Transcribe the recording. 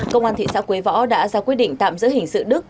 công an thị xã quế võ đã ra quyết định tạm giữ hình sự đức